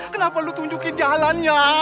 kenapa lu tunjukin jalannya